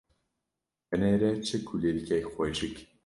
Binêre çi kulîlkek xweşik.